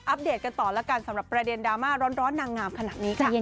เดตกันต่อแล้วกันสำหรับประเด็นดราม่าร้อนนางงามขนาดนี้ค่ะ